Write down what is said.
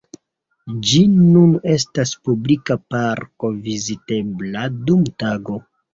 Ĝi nun estas publika parko vizitebla dum tago.